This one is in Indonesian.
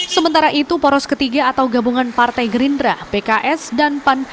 sementara itu poros ketiga atau gabungan partai gerindra pks dan pan